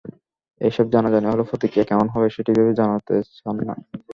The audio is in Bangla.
এসব জানাজানি হলে প্রতিক্রিয়া কেমন হবে, সেটি ভেবে জানাতে চান না।